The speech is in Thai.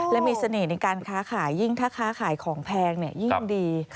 และมีเสน่ห์ในการค้าขายยิ่งถ้าค้าขายของแพงยิ่งดี